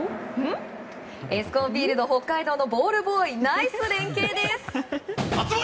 エスコンフィールド北海道のボールボーイナイス連係です！